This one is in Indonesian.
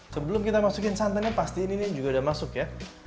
sebelum kita masukkan santannya pastiin ini juga sudah masuk ya